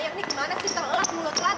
ayah ini gimana sih terlelat mulut mulut